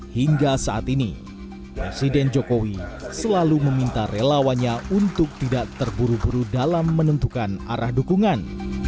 hingga saat ini presiden jokowi selalu meminta relawannya untuk tidak terburu buru dalam menentukan arah dukungan